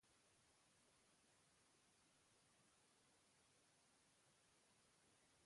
Guatemalako trafikoa sinestezina zen.